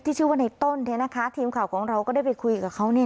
ชื่อว่าในต้นเนี่ยนะคะทีมข่าวของเราก็ได้ไปคุยกับเขาเนี่ย